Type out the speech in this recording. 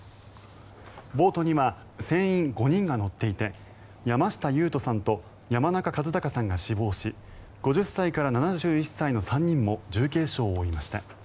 ボートには船員５人が乗っていて山下勇人さんと山中和孝さんが死亡し５０歳から７１歳の３人も重軽傷を負いました。